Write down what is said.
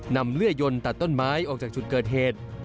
เลื่อยยนตัดต้นไม้ออกจากจุดเกิดเหตุ